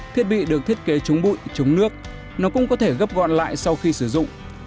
thiết bị được thiết kế chống bụi chống nước nó cũng có thể gấp gọn lại sau khi sử dụng